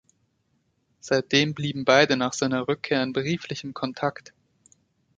Seitdem blieben beide nach seiner Rückkehr in brieflichem Kontakt.